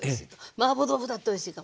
マーボー豆腐だっておいしいかもしれない。